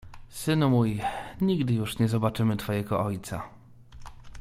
"Synu mój, nigdy już nie zobaczymy twojego ojca."